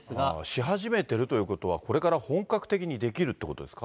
し始めてるということは、これから本格的に出来るってことですか。